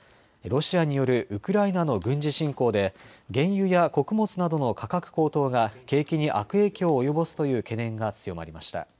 ロシアによるウクライナの軍事侵攻で原油や穀物などの価格高騰が景気に悪影響を及ぼすという懸念が強まりました。